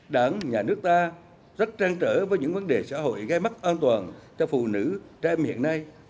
đảng nhà nước ta rất trăn trở với những vấn đề xã hội gây mất an toàn cho phụ nữ trẻ em hiện nay